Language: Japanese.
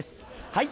はい！